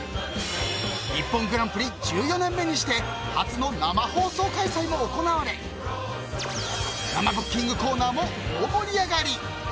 グランプリ１４年目にして初の生放送開催も行われ生ブッキングコーナーも大盛り上がり。